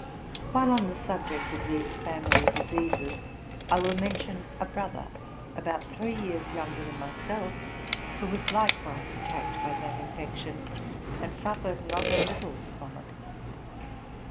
While on the subject of these family diseases, I will men tion a brother about three years younger than myself, who was likewise attacked by that infection, and suffered not a little from it.